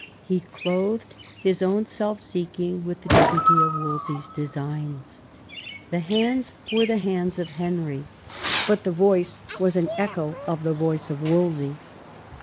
He clothed his own self seeking with the dignity of Wolsey's designs; the hands were the hands of Henry, but the voice was an echo of the voice of Wolsey.